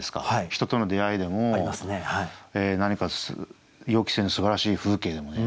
人との出会いでも何か予期せぬすばらしい風景でもね。